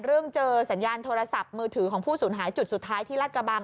เรื่องเจอสัญญาณโทรศัพท์มือถือของผู้สูญหายจุดสุดท้ายที่รัฐกระบัง